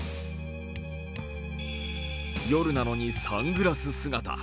夜なのにサングラス姿。